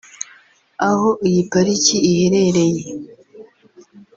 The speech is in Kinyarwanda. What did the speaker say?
aho iyi Pariki iherereye